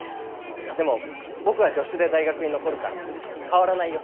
でも僕は助手で大学に残るから変わらないよ。